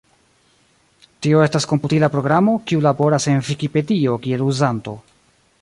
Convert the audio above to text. Tio estas komputila programo, kiu laboras en Vikipedio kiel uzanto.